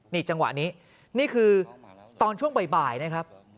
นี่จังหวะนี้นี่คือตอนช่วงบ่ายนะครับ